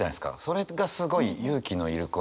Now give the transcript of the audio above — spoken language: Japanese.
それがすごい勇気のいること。